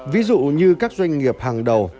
ví dụ như các doanh nghiệp hàng đầu